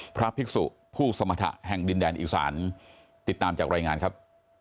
พระภิกษุผู้สมรรถะแห่งดินแดนอีสานติดตามจากรายงานครับ